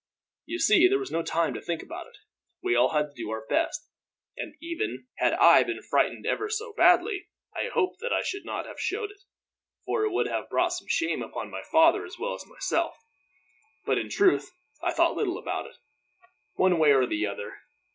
You see, there was no time to think about it. We all had to do our best, and even had I been frightened ever so badly, I hope that I should not have showed it, for it would have brought shame upon my father as well as myself; but in truth I thought little about it, one way or the other.